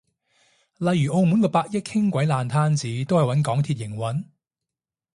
例如澳門個百億輕軌爛攤子都係搵港鐵營運？